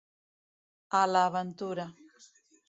A la ventura.